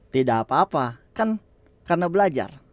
tidak apa apa kan karena belajar